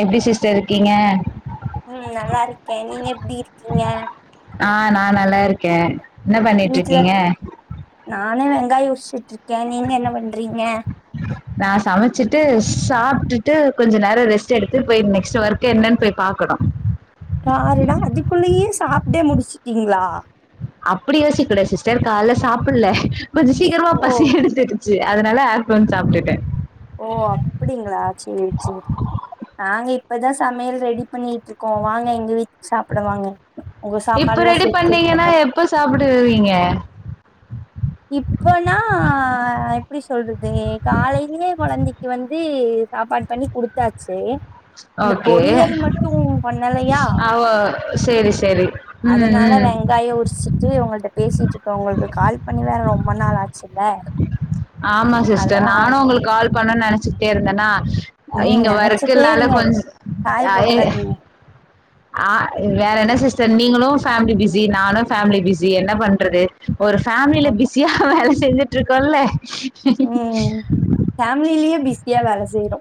எப்டி சிஸ்டர் இருக்கீங்க ம் நல்லா இருக்கே நீங்க எப்டி இருக்கீங்க ஆ நா நல்லா இருக்கே என்ன பண்ணிட்டு வீட்ல இருக்கீங்க நானு வெங்காயோ உரிச்சிட்ருக்கே நீங்க என்ன பண்றீங்க [inaudible] நா சமச்சிட்டு சாப்ட்டு கொஞ்ச நேரோ ரெஸ்ட் எடுத்து போய் நெக்ஸ்ட் ஒர்க் என்னன்னு போய் பாக்கணு பாருடா அதுக்குள்ளயே சாப்ட்டே முடிச்சிட்டீங்களா அப்டி யோசிக் கூடாது சிஸ்டர் கால்ல சாப்புல்ல கொஞ்ச சீக்கிரமா ஓ பசி எடுத்து ருச்சு அதனால ஆஃப்டர்நூன் சாப்டுட்ட ஓ அப்டிங்ளா செரி செரி நாங்க இப்பதா சமையல் ரெடி பண்ணி ட்ருக்கோ வாங்க எங்க வீட்க் சாப்பட வாங்க உங்க இப்ப சாப்பாட்லா ரெடி பண்ணீங்கன்னா செரிசதுக்கப்புறோ எப்ப சாப்பட வருவீங்க இப்போனா எப்டி சொல்றது காலையிலே கொழந்தைக்கு வந்து சாப்பாடு பண்ணி குடுத்தாச்சு இந்த ஓகே பொரியல் மட்டு பண்ணலையா அவ சேரி சேரி ம் அதனால ம் வெங் காய உரிச்சிட்டு உங்கள்ட்ட பேசிட்ருக்க உங்களுக்கு கால் பண்ணி வேற ரொம்ப நாள் ஆச்சுல்ல ஆமா சிஸ்டர் அதா நானு உங்களுக் கால் பண்ணுன் நெனச்சிட்டே இருந்தனா ம் இங்க நெனச்சிட்டே ஒர்க்குனால இருங்க கொஞ்ச காய யாயே போட்டுறாதீங்க ஆ வேற என்ன சிஸ்டர் நீங்களு ஃபேமலி பிஸி நானு ஃபேமிலி பிஸி என்ன பண்றது ஒரு ஃபேமிலில ஆமா பிஸியா வேல செஞ்சுட்ருக்கோல ஃபேமிலியே பிஸியா வேல செய்றோ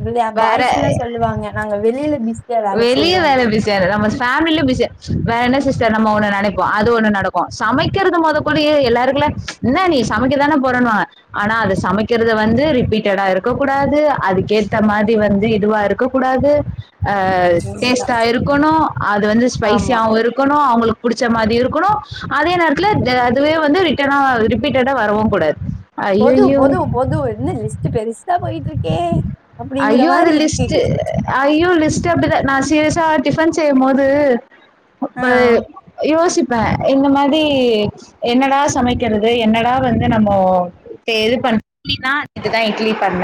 இது யார் வேற பாய்ஸ்லா சொல்லுவாங்க நாங்க வெளில பிஸி வெளிய வேல பிஸியா இருக்கு ஆமா சிஸ் ஃபேமிலியு பிஸி வேற என்ன சிஸ்டர் நம்ம ஒண்ணு நெனைப்போ அது ஒண்ணு நடக்கு சமைக்கிறது மொத கூட ஏ எல்லாருக்குள்ள என்ன நீ சமைக்க தானே போறண்ணுவாங்க ஆனா அத சமைக்கிறத வந்து ரிப்பீட்டடா இருக்க கூடாது அதுக்கேத்த மாரி வந்து இதுவா இருக்க கூடாது அ அதேதா டேஸ்டா இருக்கணு அது வந்து ஆமா ஸ்பைசியாவு இருக்கணு அவுங்ளுக் புடிச்ச மாதி இருக்கணு அதே நேரத்துல அதுவே வந்து ரிட்டனா ரிப்பீட்டடா வரவு கூடாது போது ஐயையோ போது போது என்ன லிஸ்ட்டு பெருசா போயிட்ருக்கே ஐயோ அது லிஸ்ட்டு ஐயோ லிஸ்ட்டு அப்டிதா நா சீரியஸா டிஃபன் செய்யும் போது ஆ ப யோசிப்பே இந்த மாதி என்னடா சமைக்கிறது என்னடா வந்து நம்மோ இப்ப எது பண் இட்லினா இதுதா இட்லி பண்ண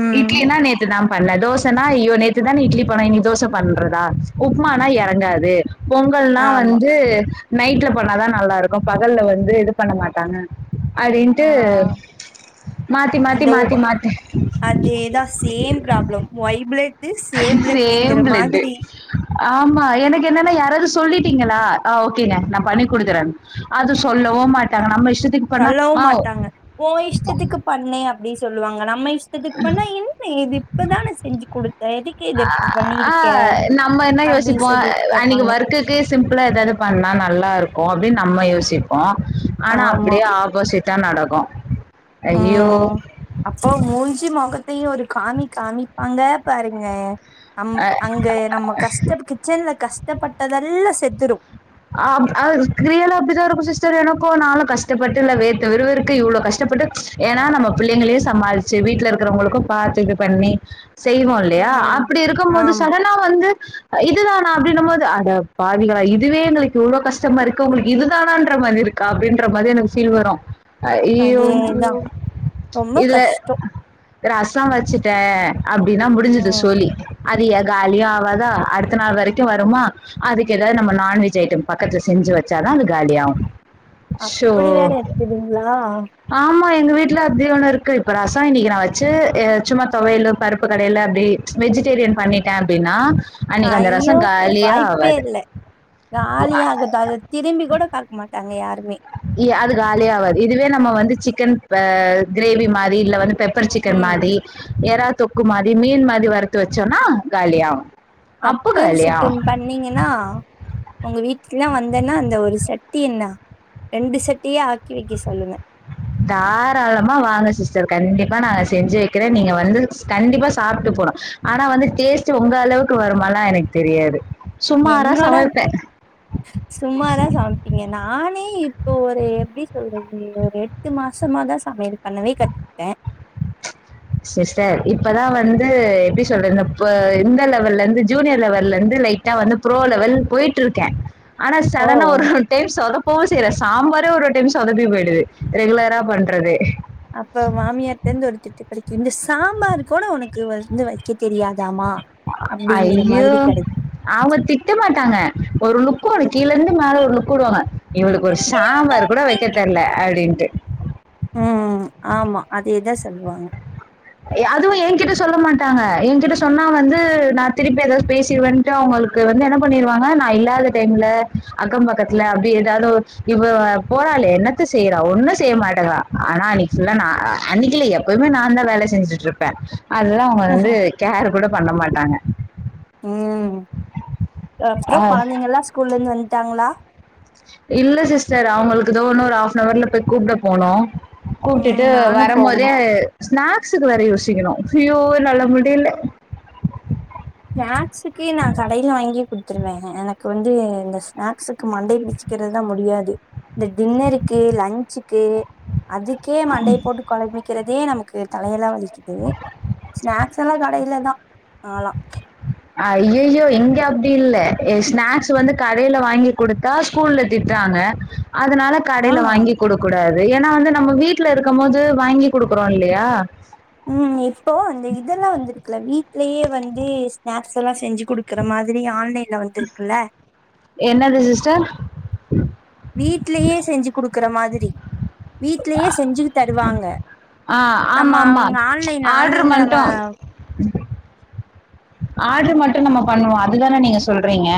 ம் இட்லினா நேத்துதா பண்ண தோசனா ஐயோ நேத்துதான இட்லி பண்ண இன்னிக்கு தோச பன்றதா உப்மானா இறங்காது பொங்கல்லா ஆமா வந்து நைட்ல பண்ணாதா நல்லா இருக்கு பகல்ல வந்து இது பண்ண மாட்டாங்க ஆ அப்டின்ட்டு மாத்தி மாத்தி இந்த ஓ மாத்தி மாத்தி அதேதா same problem Y blood same same பிளட்ங்கிற பிளட் மாதிரி ஆமா எனக்கு என்னன்னா யாராவது சொல்லிட்டீங்களா ஆ ஓகேங்க நா பண்ணி குடுக்கறன் அது சொல்லவு மாட்டாங்க நம்ம இஷ்டத்துக் சொல்லவு மாட்டாங்க ஒ இஷ்டத்துக்கு பண்ணே அப்டின் சொல்லுவாங்க நம்ம இஷ்டத்துக்கு பண்ண என்ன இது இப்பதா நா செஞ்சு குடுத்தே எதுக் ஆ நம்ம என்ன அப்டி யோசிப்போ சொல்லிட்டு அன்னைக் கேப்பாங்க ஒர்குக் க்கு சிம்பிளா ஏதாவது பண்ணா நல்லா இருக்கு அப்டின் நம்ம யோசிப்போ ஆனா ஆமா அப்டியே ஆப்போசிட் டா நடக்கு ம் ஐயோ ம் அப்போ மூஞ்சு மொகத்தையு ஒரு காமி காமிப்பாங்க பாருங்க அம் அங்க நம்ம கஷ்ட கிச்சன்ல கஷ்ட பட்டதெல்லா செத்துரு ஆப் அ ரியலா அப்டிதா இருக்கு சிஸ்டர் எனக்கு நானு கஷ்டப்பட்டு இல்ல வேர்த்து விறுவிறுக்க இவ்ளோ கஷ்டப்பட்டு ஏன்னா நம்ம புள்ளைங்களையு சமாளிச்சு வீட்ல இருக்கறவுங்களுக்கு பார்த்து இப்டி பண்ணி செய்வோ இல்லையா ம் அப்டி இருக்கும் போது ஆமா சடன் னா வந்து இதுதானா அப்டின்னும் போது அட பாவிகளா இ இதுவே எங்களுக்கு இவ்ளோ கஷ்டமா இருக்கு உங்களுக்கு இதுதானான்ற மாரி இருக்கா அப்டின்ற மாரி எனக்கு ஃபீல் வரு அய்யோ அதேதா ரொம்ப இதுல கஷ்டோ ரசோ வெச்சுட்டே அப்டின்னா முடிஞ்சுது ம் சோலி அதுய காலியு ஆவாதா அடுத்த நாள் வரைக்கும் வருமா அதுக்கு ஏதாது நம்ப நான்வெஜ் ஐட்டம் பக்கத்ல செஞ்சு வச்சாதா அது காலியாகும் ஷோ அப்படி வேற இருக்குதுங்ளா ஆமா எங்க வீட்ல அப்டி ஒண்ணு இருக்கு இப்ப ரசோ இன்னிக்கு நா வெச்சு சும்மா தொவையலு பருப்பு கடைல அப்டி வெஜிடேரியன் பண்ணிட்டே அப்டின்னா அன்னிக்கு அந்த ஐயோ ரசங் காலியே வாய்ப்பே ஆவாது இல்ல காலியே ஆகாது அத திரும்பி கூட பாக் மாட்டாங்க யாருமே அது காலியே ஆவாது இதுவே நம்ம வந்து சிக்கன் க்ரேவி மாரி இல்ல வந்து பெப் ப்பர்ச் சிக்கன் ம் மாரி ஏறா தொக்கு மாரி மீன் மாரி வறுத்து வெச்சோன்னா காலியாவு அப்ப காலியாவு நீங்கன்னா உங்க வீட்க்ல்லா வந்தேன்னா அந்த ஒரு சட்டி என்னா ரெண்டு சட்டியே ஆக்கி வெக்க சொல்லுவே தாராளமா வாங்க சிஸ்டர் கண்டிப்பா நாங்க செஞ்சு வெக்கிறே நீங்க வந்து கண்டிப்பா சாப்ட்டு போனோ ஆனா வந்து டேஸ்ட்டு உங்க அளவுக்கு வருமால்லா எனக்கு தெரியாது சுமாரா என்னோட சமைப்பேன். சுமாரா சம்ப்பிங்க நானே இப்போ ஒரு எப்டி சொல்றது ஒரு எட் டு மாசமாதா சமயல் பண்ணவே கத் சிஸ்டர் இப்பதா வந்து எப்டி சொல்றது இந்த இந்த லெவல்லந்து ஜூனியர் லெவல்லந்து லைட் டா வந்து ப்ரோ லெவல் போய்ட்ருக்கே ஆனா ஓ சடனா ஒரு டைம் சொதப்பவு செய்ற சாம்பாரே ஒரு டைம் சொதப்பி போய்டுது ரெகுலரா பண்றதே அப்ப மாமியார்ட்டந்து ஒரு திட்டு கெடைக்கும் இந்த சாம்பார் கூட ஒனக்கு வந்து வெக்க தெரியாதாமா அப்டிங்கிற ஐயோ மாதிரி கெடைக்கு அவுங்க திட்ட மாட்டாங்க ஒரு லுக் கீழந்து மேல ஒரு லுக் உடுவாங்க இவளுக்கு ஒரு சாம்பார் கூட வெக் கத் தெர்ல அப்டின்ட்டு ம் ஆமா அதே தா சொல்லுவாங்க அதுவு என்கிட்ட சொல்ல மாட்டாங்க என்கிட்ட சொன்னா வந்து நா திருப்பி எதாது பேசிருவன் டு அவுங்குளுக்கு வந்து என்ன பண்ணிருவாங்க நா இல்லாத டைம்ல அக்கம் பக்கத்ல அப்டி எதாது ஒர் இப்ப போறாளே என்னத்த செய்றா ஒன்னு செய்ய மாட்டங்கறா ஆனா அன்னிக் ஃபுல்லா நா அன்னிக்கில்ல எப் எப்போதுமே நாந்தா வேலை செஞ்சுட்ருப்பே அதல்லா அவுங்க வந்து கேர் கூட பண்ண மாட்டாங்க உம் அப்றோ ஆஹ் கொழந்திங்கல்லா ஸ்கூல்லந்து வன்ட்டாங்ளா இல்ல சிஸ்டர் அவுங்குளுக்கு இதோ ஒரு ஹாஃப்னவர்ல போய் கூப்ட போனோ ம் கூப்ட்டுட்டு நானு போகணு வரமோதே ஸ்நாக்ஸுக்கு வேற யோசிக்குணு ஐயோ என்னால முடில ஸ்நாக்ஸுக்கு நா கடைல வாங்கி குட்த்துருவே எனக்கு வந்து இந்த ஸ்நாக்ஸுக்கு மண்டய பிச்சி கிறதுதா முடியாது இந்த டின்னருக்கு லன்ச்சுக்கு அதுக்கே மண்டய போட்டு கொழம்பிக்கிறதே நமக்கு தலயெல்லா வலி கிது ஸ்நாக்ஸ் எல்லா கடைல தா நாலா ஐயயோ இங்க அப்டி இல்ல ஸ்நாக்ஸ் வந்து கடைல வாங்கி குடுத்தா ஸ்கூல்ல திட்றாங்க அதனால ஆ கடையில வாங்கி கொடுக்க கூடாது ஏனா வந்து நம்ம வீட்ல இருக்கமோது வாங்கி குடுக்குறோ இல்லயா ம் இப்போ அந்த இதெல்லா வந்துருக்குல வீட்லயே வந்து ஸ்நாக்ஸ் எல்லா செஞ்சு குடு க்ற மாதிரி ஆன்லைன்ல வந்துருக்குல்ல என்னது சிஸ்டர் வீட்லயே செஞ்சு குடுக்குற மாதுரி வீட்லயே செஞ்சு தருவாங்க ஆ நம்ம ஆமாமா. அவங்க ஆன்லைன் ஆன்லைன்ல நம்ம ஆட்ரு மட்டு நம்ம பண்ணுவோ அதுதானே நீங்க சொல்றீங்க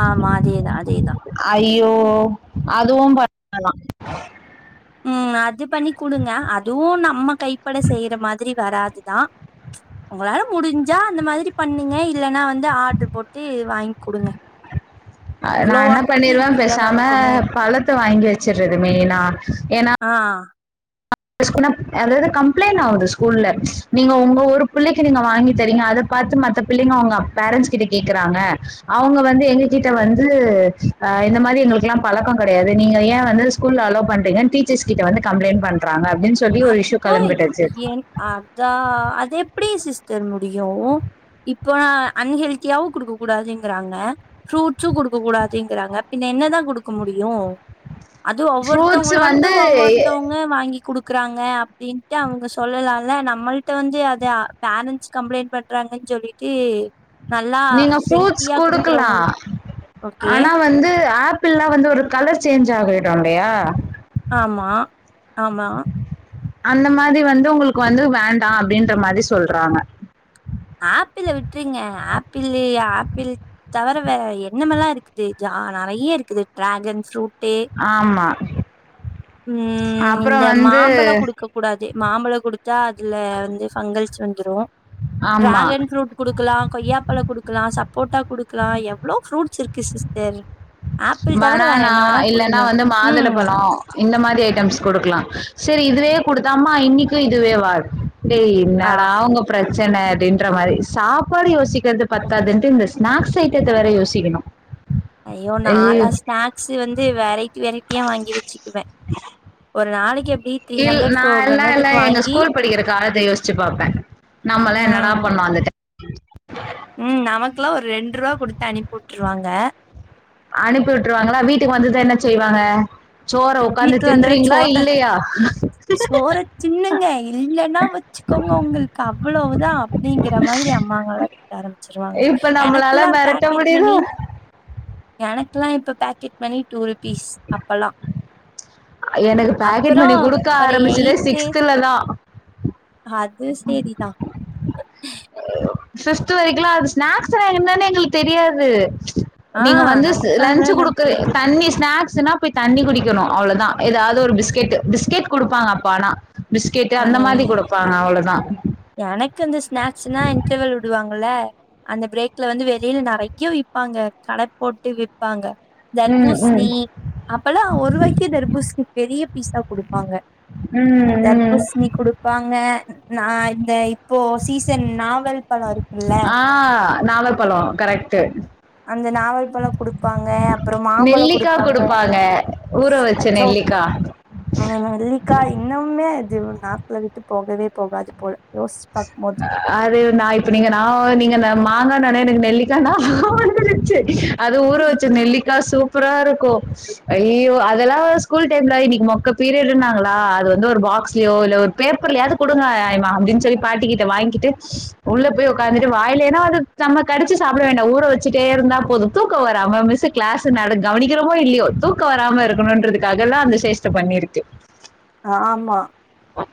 ஆமா அதேதா அதேதா அய்யோ அதுவு ப ஆலா ம் அது பண்ணி கொடுங்க அதுவு நம்ம கைப்பட செய்யற மாதிரி வராதுதா ச் உங்களால முடிஞ்சா அந்த மாதிரி பண்ணுங்க இல்லலன்னா வந்து ஆர்டரு போட்டு வாங்க கொடுங்க [inaudible] நா என்ன பண்ணிருவே பேசாம பழத்த வாங்கி வச்சிருது மெயினா ஏன்னா ஆஹ் அதாவது கம்ப்ளைண்ட் ஆகுது ஸ்கூல்ல ச் நீங்க உங்க ஒரு புள்ளைக்கு நீங்க வாங்கி தரீங்க அத பாத்து மத்த பிள்ளைங்க அவங்க பேரண்ட்ஸ் கிட்ட கேக்குறாங்க அவங்க வந்து எங்க கிட்ட வந்து இந்தமாரி எங்களுக்கெல்லா பழக்கோ கெடையாது நீ ஏ வந்து ஸ்கூல அலோ பண்றீங்கு டீச்சர்ஸ் கிட்ட வந்து கம்ப்ளைண்ட் பண்றாங்க பண்றங்க அப்டின்னு சொல்லி ஒரு இஷயூ அப்போ கெளம்பிடுச்சு என் அதா அது எப்டி சிஸ்டர் முடியு இப்ப அன்ஹெல்தியாவு குடுக்க கூடாதுங்கறாங்க ஃப்ரூட்சு குடுக்க கூடாதுங்கறாங்க பின்ன என்னதா குடுக்க முடியு அதுவு ஃப்ரூட்ஸ் ஒவ்வொருத்தவங்களோடது வந்து ஒவ்வொருத்தவங்க வாங்கி குடுக் குடுக்குறாங்க அப்டிண்ட்டு அவங்க சொல்லலால நம்மள்ட வந்து அத பேரண்ட்ஸ் கம்ப்ளைண்ட் பண்றாங்கன்னு சொல்லி டு நீங்க ஃரூட்ஸ் கொடுக்கலா ஓகே ஆனா வந்து ஆப் ஆப்பள் எல்லா வந்து ஒரு கலர் சேஞ்ச் ஆகிடு இல்லையா ஆமா ஆமா அந்த மாதிரி வந்து உங்களுக்கு வந்து வேண்டா அப்டின்ற மாரி சொல்றாங்க ஆப்பிள்ள விட்டுருங்க ஆப்பிள்லு ஆப்பிள் தவற வே எண்ணமெல்லா இருக்குது ஜ நெறைய இருக்குது டிராகன் ஃப்ரூட்டு ஆமா ம் இந்த அப்றோம் வந்து மாம்பழோ குடுக்க கூடாது மாம்பழம் கொடுத்தா அதுல வந்து பஃபங்கல்ஸ் வந்துரு ஆமா. டிராகன் ஃப்ரூட் குடுக்கலா கொய்யாப்பழ கொடுக்கலா சப்போட்டா குடுக்கலா எவ்வளோ ஃப்ரூட்ஸ் இருக்கு சிஸ்டர் ஆப்பிள் தவிர வேற மனானா என்ன வேணா இல்லன்னா குடுங்க வந்து மாதுள ம் பழம் இந்த மாரி ஐட்டம்ஸ் கொடுக்கலா செரி இதுவே குடுத்தாம இன்னைக்கு இதுவே வா ஏய் ஆ என்னடா அவங்க பிரச்சன அப்டின்ற மாரி சாப்பாடு யோசிக்கிறது பத்தாதுண்ட்டு இந்த ஸ்நாக்ஸ் ஐட்டத்த வேற யோசிக்கணு ஐயோ நாலா ஸ்நாக்ஸ் வந்து வெரைட்டி வெரைட்டியா வாங்கி வச்சுக்குவே ஒரு நாள் இல் நா எல்லா எல்லா எங்க வாங்கி ஸ்கூல் படிக்கிற காலத்த யோசிச்சு பாப்பே நம்மளா என்னடா ம் பண்ணோ அந்த டைம் ம் நமக்குல்லா ஒரு ரெண்டு ரூபா கொடுத்து அனுப்பி விட்டுருவாங்க அனுப்பி விட்டுருவாங்களா வீட்டுக்கு வந்தது என்ன செய்வாங்க சோற உக்காந்து வீட்டுல வந்த தின்றீங்களா? சோத்த இல்லையா? சோர தின்னுங்க இல்லன்னா வச்சுக்கோங்க உங்களுக்கு அவ்ளோதா அப்டிங்கிற மாரி அம்மாங்கெல்லா திட்ட ஆரம்பிச்சிருவாங்க இப்ப எனக்கு நம்மளால எல்லா மிரட்ட பேக்கேட் மணி முடியுதா? எனக்கெல்லா இப்போ பேக்கெட் பண்ணி டூ ருபீஸ் அப்பெல்லா எனக்கு பேக்கெட் மணி கொடுக்க ஒரு ஆரம்பிச்சதே எயித்து சிக்ஸ்தல தா அது செரிதா சிக்ஸ்த் வரைக்குலா அது ஸ்நாக்ஸ்னா என்னன்னு எங்களுக்கு தெரியாது ச் ஆ நீங்க வந்து ஸ் நமக்காகலா லன்சு என்னன் குடுக்கு தெரியவே தெரி தண்ணிஸ் ஸ்நாக்ஸ்ன்னா போய் தண்ணி குடிக்குணு அவ்ளோதா ஏதாது ஒரு பிஸ்கெட் பிஸ்கெட் குடுப்பாங்க அப்பா ஆனா பிஸ்கெட்டு அந்த மாரி ம் குடுப்பாங்க அவ்ளேதா எனக்கு இந்த ஸ்நாக்ஸ்ன்னா இன்டர்வல் விடுவாங்கல அந்த பிரேக்ல வந்து வெளியில றெறைய விப்பாங்க கட போட்டு விப்பாங்க ம் ம் தர்பூசணி அப்பல்லா ஒரு வாய்கே தர்பூஸ்ணி பெரிய பீஸா குடுப்பாங்க ம் ம் தர்பூஸ்ணி குடுக் பாங்க நா இந்த இப்போ சீசன் நாவல் பழம் இருக் ஆ நாகற்பழோ கரெக்ட்டு அந்த நாவல்பழோ குடுப்பாங்க அப்ரோ மாம்பலோ குடுப்பாங்க ஊற வச்ச அச்சோ நெல்லிக்கா ம் நெல்லிக்காய் இன்னும்மே அது நாக்குல விட்டு போகவே போகாது போல யோசிச்சு பாக்கும் போது அது நா இப்ப நீங்க நா நீங்க மாங்கானொனே எனக்கு நெல்லிக்கா ஞாபகோ வந்துருச்சு அது ஊற வச்சு நெல்லிக் சூப்பரா இருக்கு ஐயயோ அதெல்லா ஸ்கூல் டைம்ல இன்னைக்கு மொக்க பீரியட் ன்னாங்களா அது ஏதோ ஒரு பாக்ஸ்லயோ இல்ல ஒரு பேப்பர்லயாது குடுங்க ஆயமா அப்டின்னு சொல்லி பாட்டிக்கிட்ட வாங்கிட்டு உள்ள போய் உக்காந்துட்டு வாயிலே ஏன்னா வந்து நம்ம கடிச்சி சாப்ட வேண்டா ஊற வச்சுட்டே இருந்தா போது தூக்கோ வரமா மிஸ்சு கிளாசு நடக் கவனிக்கிறமோ இல்லியோ தூக்கோ வராம இருக்கணுன்றதுக்காலா அந்த சேஷ்ட பண்ணிருக்கு அ ஆமா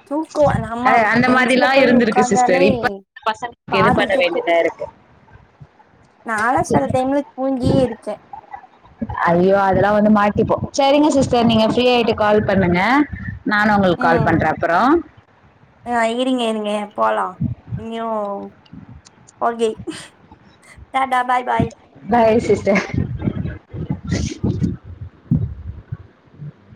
தூக்கோ நம்ம அஹ் அந்த பெஞ்சுல மாதிரிலாம் போய் இருந்திருக்கு சிஸ்டர் உக்காந்தாலே இப்ப பசங்களுக்கு இது பண்ண வேண்டியதா இருக்கு நாலா செல டைம்ல தூங்கியே இருக்கே ஐயோ அதெல்லா வந்து மாட்டிப்போ செரிங்க சிஸ்டர் நீங்க ஃப்ரீயாட்டு கால் பண்ணுங்க நானு உங்களுக்கு கால் ம் பண்றே அப்றோ ஆ இரிங்க இரிங்க போலா இங்யு okay Tata bye bye bye sister